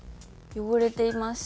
「汚れています